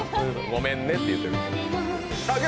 ごめんねって言うてる。